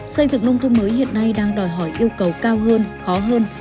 xây dựng nông thôn mới hiện nay đang đòi hỏi yêu cầu cao hơn khó hơn